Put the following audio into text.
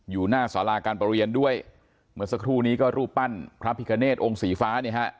อยู่หน้าสาราการประเรียนด้วยเมื่อสักครู่นี้ก็รูปปั้นพระพิคเนตองค์สีฟ้าเนี่ยฮะ